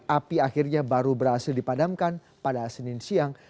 api akhirnya baru berhasil dipadamkan pada senin siang